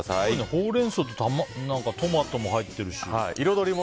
ほうれん草とトマトも入ってるし。